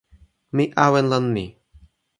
mi awen lon ni.